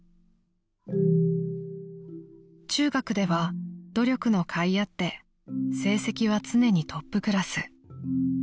［中学では努力のかいあって成績は常にトップクラス］